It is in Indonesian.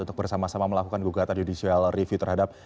untuk bersama sama melakukan gugatan judicial review terhadap